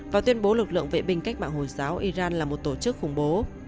và tuyên bố lực lượng vệ binh cách mạng hồi giáo iran là một tổ chức khủng bố